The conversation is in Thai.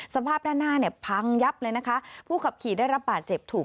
สภาพด้านหน้าเนี่ยพังยับเลยนะคะผู้ขับขี่ได้รับบาดเจ็บถูก